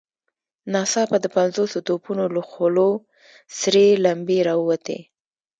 ناڅاپه د پنځوسو توپونو له خولو سرې لمبې را ووتې.